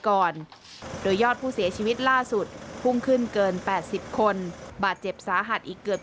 ก่อนโดยยอดผู้เสียชีวิตล่าสุดพุ่งขึ้นเกิน๘๐คนบาดเจ็บสาหัสอีกเกือบ